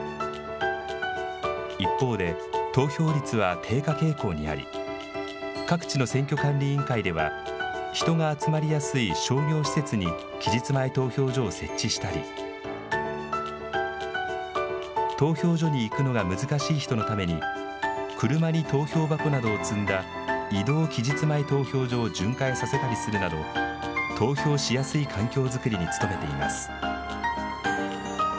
一方で、投票率は低下傾向にあり、各地の選挙管理委員会では、人が集まりやすい商業施設に期日前投票所を設置したり、投票所に行くのが難しい人のために、車に投票箱などを積んだ移動期日前投票所を巡回させたりするなど、投票しやすい環境作りに努めています。